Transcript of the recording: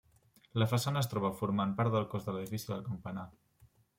La façana es troba formant part del cos de l'edifici del campanar.